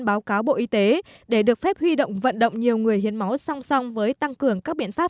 báo cáo bộ y tế để được phép huy động vận động nhiều người hiến máu song song với tăng cường các biện pháp